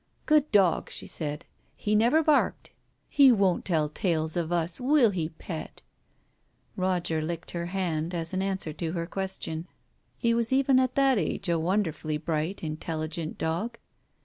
" Good dog !" she said. " He never barked. He won't tell tales of us, will he, pet ?" Roger licked her hand, as an answer to her question. He was even at that age a wonderfully bright, intelligent dog.